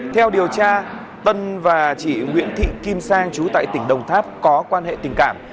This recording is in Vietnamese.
theo điều tra tân và chị nguyễn thị kim sang trú tại tỉnh đồng tháp có quan hệ tình cảm